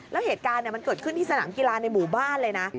แล้วเหตุการณ์มันเกิดขึ้นที่สนามกีฬาในหมู่บ้านเลยนะ